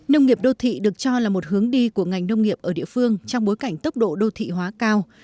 nông nghiệp đô thị được cho là một hướng đi của ngành nông nghiệp ở địa phương trong bối cảnh tốc độ đô thị hóa cao